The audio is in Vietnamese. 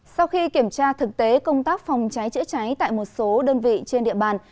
sau khi kiểm tra thực tế công tác phòng cháy chữa cháy tại một số đơn vị trên địa bàn